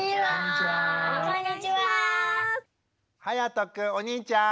はやとくん！